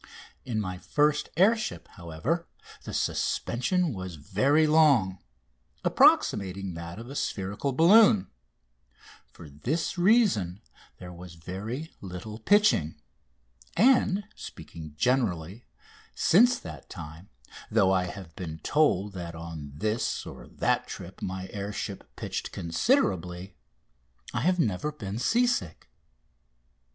In my first air ship, however, the suspension was very long, approximating that of a spherical balloon. For this reason there was very little pitching. And, speaking generally, since that time, though I have been told that on this or that trip my air ship pitched considerably, I have never been sea sick.